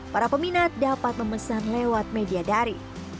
para peminat dapat memesan lewat media dari